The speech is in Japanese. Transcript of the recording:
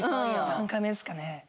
３回目ですかね。